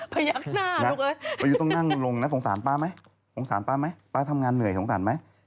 พยักหน้าอยู่ต้องนั่งลงนะสงสารป้าไหมป้าทำงานเหนื่อยสงสารไหม